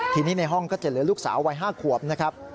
ทีนี้ในห้องก็จะเหลือลูกสาววัย๕ขวบนะครับ